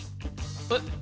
えっ？